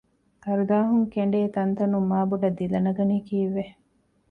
ކަރުދާހުން ކެނޑޭ ތަންތަނުން މާބޮޑަށް ދިލަނަގަނީ ކީއްވެ؟